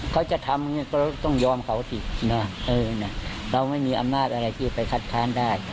เค้าจะทำก็ต้องยอมเค้าสิเราไม่มีอำนาจอะไรที่ไปคัดพราณได้